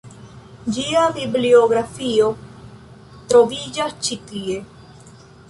Ĝia bibliografio troviĝas ĉi tie.